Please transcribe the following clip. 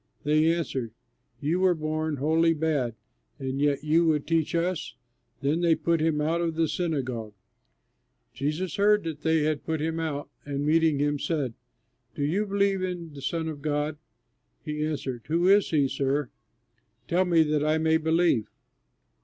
They answered, "You were born wholly bad, and yet you would teach us?" Then they put him out of the synagogue. Jesus heard that they had put him out, and meeting him said, "Do you believe in the Son of God?" He answered, "Who is he, sir? Tell me that I may believe."